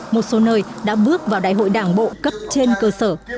một số nơi đã bước vào đại hội đảng bộ cấp trên cơ sở